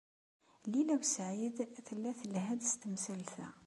Lila u Saɛid tella telha-d s temsalt-a.